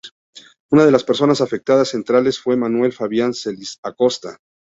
Una de las personas afectadas centrales fue Manuel Fabián Celis-Acosta.